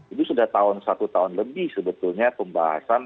itu sudah tahun satu tahun lebih sebetulnya pembahasan